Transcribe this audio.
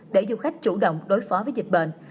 để du khách chủ động đối phó với dịch bệnh